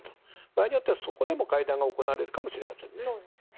場合によってはそこでも会談が行われるかもしれませんね。